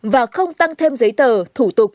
và không tăng thêm giấy tờ thủ tục